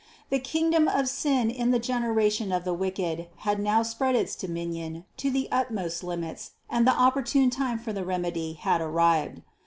The kingdom of sin in the generation of the wicked had now spread its dominion to the utmost limits and the opportune time for the remedy had arrived.